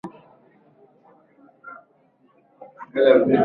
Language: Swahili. uenezaji wa Injili katika Afrika ulikwama na kurudi nyuma Kusini mwa